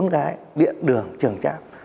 bốn gái điện đường trường trạng